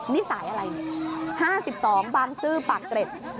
นี่สายอะไรเนี่ย๕๒บำซื้อปักเกร็ด